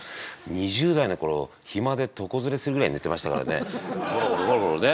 ２０代の頃暇で床ずれするぐらい寝てましたからねゴロゴロゴロゴロね。